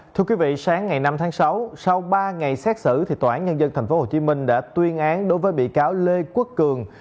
thưa quý vị sáng ngày năm tháng sáu sau ba ngày xét xử tòa án nhân dân tp hcm đã tuyên án đối với bị cáo lê quốc cường